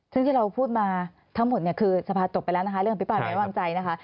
ซึ่งที่เราพูดมาทั้งหมดเนี่ยคือสภาจบไปแล้วนะคะเรื่องอภิปรายไว้วางใจนะคะ